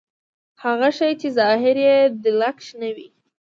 هغه شی چې ظاهر يې دلکش نه وي.